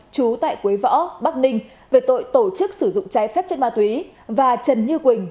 chú tại quế võ bắc ninh về tội tổ chức sử dụng trái phép chất ma túy và trần như quỳnh